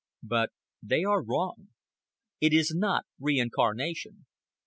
But they are wrong. It is not reincarnation.